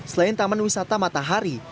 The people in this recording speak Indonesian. selain taman wisata matahari